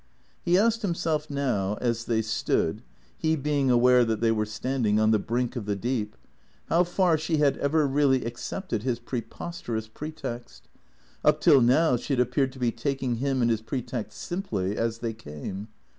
He asked himself now, as they stood (he being aware that they were standing) on the brink of the deep, how far she had ever really accepted his preposterous pretext? Up till now she had appeared to be taking him and his pretext simply, as they came.